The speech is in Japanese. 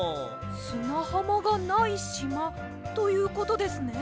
すなはまがないしまということですね？